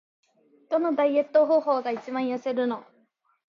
どのダイエット方法が一番痩せるの？